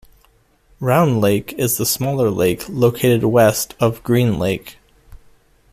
Round Lake is the smaller lake located west of Green Lake.